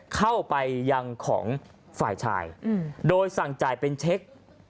เข้าไปยังของฝ่ายชายโดยสั่งจ่ายเป็นเช็ค